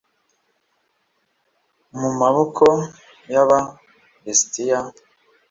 mu maboko y aba lisitiya